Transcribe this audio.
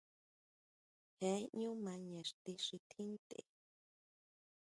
Jee ʼñú maña ixti xi tjín ntʼe.